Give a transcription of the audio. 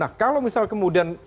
nah kalau misal kemudian